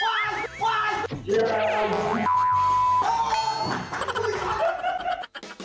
ว้ายว้าย